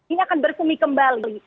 ini akan berfumi kembali